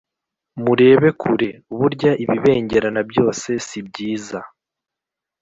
murebe kure, burya ibibengerana byose si byiza